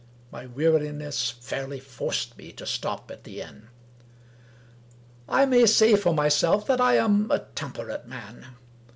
My weariness fairly forced me to stop at the inn. I may say for myself that I am a temperate man.